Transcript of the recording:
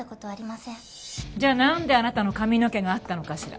じゃあなんであなたの髪の毛があったのかしら？